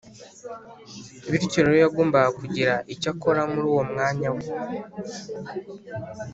bityo rero yagombaga kugira icyo akora muri uwo mwanya we